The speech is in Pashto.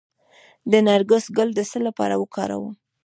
د نرګس ګل د څه لپاره وکاروم؟